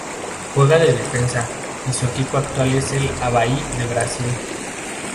Juega de defensa y su equipo actual es el Avaí de Brasil.